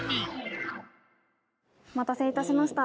お待たせ致しました。